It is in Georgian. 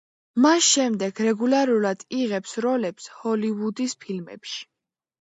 მას შემდეგ რეგულარულად იღებს როლებს ჰოლივუდის ფილმებში.